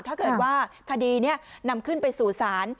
ถ้าเกิดว่าคดีนี้นำขึ้นไปสู่ศาล